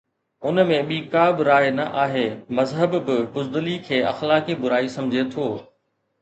ان ۾ ٻي ڪا به راءِ نه آهي، مذهب به بزدلي کي اخلاقي برائي سمجهي ٿو.